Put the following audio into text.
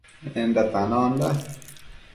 Enda tanonda